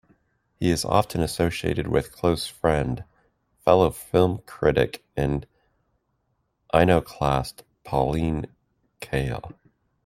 He is often associated with close friend, fellow film critic and iconoclast Pauline Kael.